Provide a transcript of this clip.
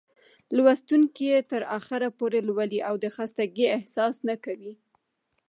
لوستونکى يې تر اخره پورې لولي او د خستګۍ احساس نه کوي.